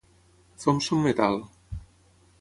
Thompson et al.